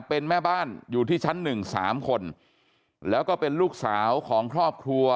เป็นแม่บ้านอยู่ที่ชั้นหนึ่งสามคนแล้วก็เป็นลูกสาวของครอบครัว